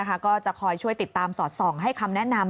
ก็จะคอยช่วยติดตามสอดส่องให้คำแนะนำ